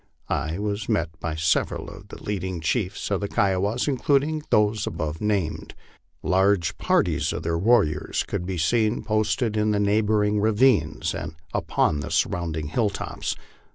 I was met by several of the leading chiefs of the Kiowas, including those above named. Large parties of their warriors could be seen posted in the neighboring ravines and upon the surrounding hilltops.